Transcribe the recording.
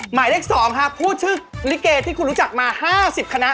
หมายเลข๓ได้สูงสุดเท่าไหร่คะ